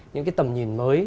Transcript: những cái tầm nhìn mới